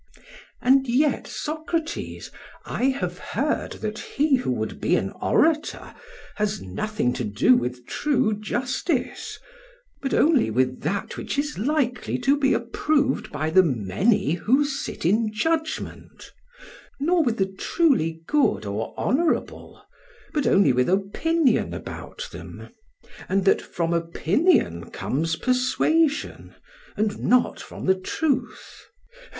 PHAEDRUS: And yet, Socrates, I have heard that he who would be an orator has nothing to do with true justice, but only with that which is likely to be approved by the many who sit in judgment; nor with the truly good or honourable, but only with opinion about them, and that from opinion comes persuasion, and not from the truth.